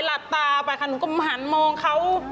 หลับตาไปค่ะหนูก็หันมองเขา